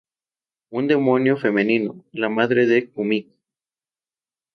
Una demonio femenino, la madre de Kumiko.